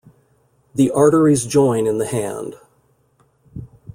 The arteries join in the hand.